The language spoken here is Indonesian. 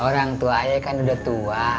orang tua ayah kan udah tua